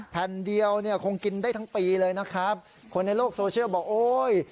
แผ่นเดียวเนี่ยคงกินได้ทั้งปีเลยนะครับคนในโลกโซเชียลบอกโอ้ย